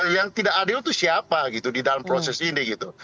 yang tidak adil itu siapa gitu di dalam proses ini gitu